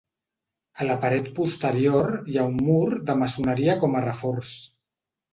A la paret posterior hi ha un mur de maçoneria com a reforç.